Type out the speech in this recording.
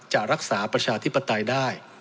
จะรักษาประชาธิปไตยได้